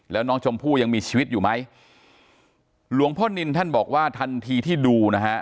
แล้วน้องชมพู่ยังมีชีวิตอยู่ไหมหลวงพ่อนินท่านบอกว่าทันทีที่ดูนะฮะ